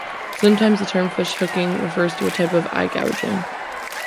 Sometimes, the term fish hooking refers to a type of eye gouging.